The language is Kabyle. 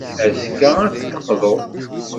Azekka, ad d-teqḍu.